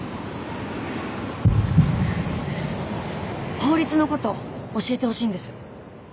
法律の事教えてほしいんです。